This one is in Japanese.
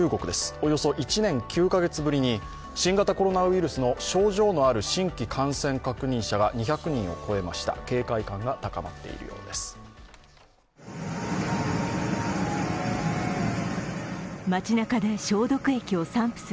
およそ１年９カ月ぶりに新型コロナウイルスの症状のある新規感染確認者が２００人を超えました、警戒感が高まっているようです。